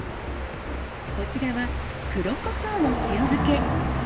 こちらは、黒こしょうの塩漬け。